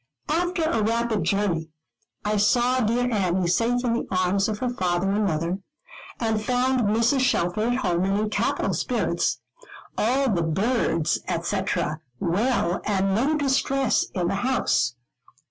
After a rapid journey, I saw dear Annie safe in the arms of her father and mother, and found Mrs. Shelfer at home, and in capital spirits, all the birds, &c. well, and no distress in the house.